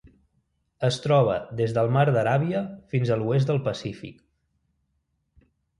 Es troba des del Mar d'Aràbia fins a l'oest del Pacífic.